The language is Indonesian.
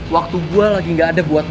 waktu gue lagi gak ada buat